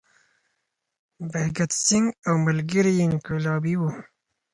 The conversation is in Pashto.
بهګت سینګ او ملګري یې انقلابي وو.